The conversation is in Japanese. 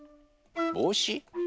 ぼうし？